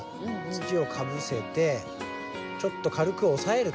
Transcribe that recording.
土をかぶせてちょっと軽く押さえると。